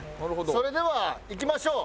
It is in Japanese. それではいきましょう。